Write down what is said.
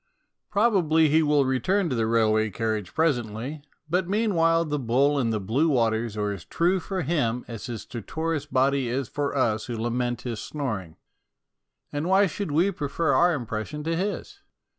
Probably he will return to the railway carriage presently, but meanwhile the bull and the blue waters are as true for him as his stertorous body is for us who lament his snoring. And why should we prefer our impressions to his?